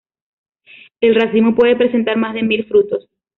El racimo puede presentar más de mil frutos.